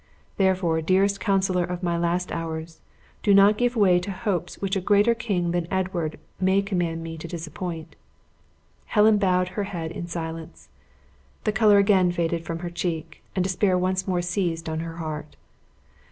Therefore, dearest consoler of my last hours, do not give way to hopes which a greater King than Edward may command me to disappoint." Helen bowed her head in silence. The color again faded from her cheek, and despair once more seized on her heart.